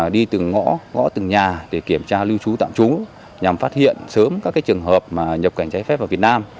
đi từng ngõ gõ từng nhà để kiểm tra lưu trú tạm trú nhằm phát hiện sớm các trường hợp nhập cảnh trái phép vào việt nam